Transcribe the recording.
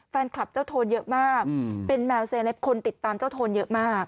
แฟนคลับเจ้าโทนเยอะมากเป็นแมวเซเลปคนติดตามเจ้าโทนเยอะมาก